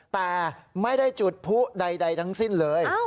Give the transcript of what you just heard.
แต่ไม่ได้จุดผู้ใดทั้งสิ้นเลย